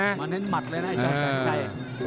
เน้นหมัดเลยนะไอ้เจ้าแสนชัย